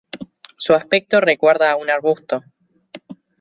Su aspecto recuerda a un arbusto.